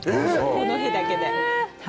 この日だけで。